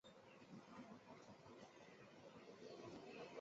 宜宾碘泡虫为碘泡科碘泡虫属的动物。